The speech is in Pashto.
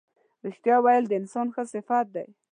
رښتیا ویل د انسان ښه صفت دی.